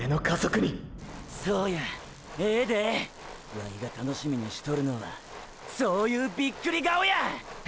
ワイが楽しみにしとるのはそういうビックリ顔や！！